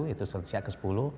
itu sultan siak ke sepuluh